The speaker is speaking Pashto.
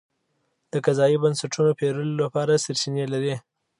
د قضایي بنسټونو پېرلو لپاره سرچینې لري.